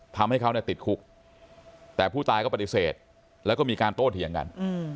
ทำให้เขาติดคุกแต่ผู้ตายก็ปฏิเสธแล้วก็มีการโต้เถียงกัน